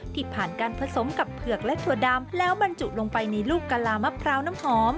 ที่ผ่านการผสมกับเผือกและถั่วดำแล้วบรรจุลงไปในลูกกะลามะพร้าวน้ำหอม